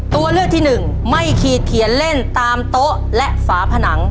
ตัวเลือกที่หนึ่งไม่ขีดเขียนเล่นตามโต๊ะและฝาผนัง